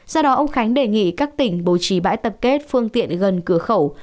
do đó ông khánh đề nghị các tỉnh bố trí bãi tập kết phương tiện gần cửa khẩu